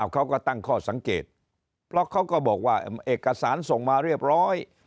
เขาก็ตั้งข้อสังเกตเพราะเขาก็บอกว่าเอกสารส่งมาเรียบร้อย